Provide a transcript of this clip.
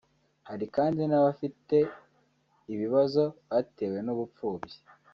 hari kandi n’abafite ibibazo batewe n’ubupfubyi